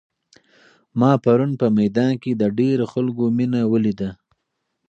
ما پرون په میدان کې د ډېرو خلکو مینه ولیده.